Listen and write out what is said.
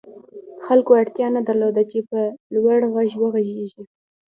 خلکو اړتیا نه درلوده چې په لوړ غږ وغږېږي